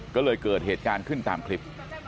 ก็เลยเกิดเหตุการณ์ขึ้นตามคลิป